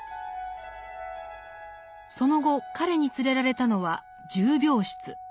その後彼に連れられたのは「重病室」。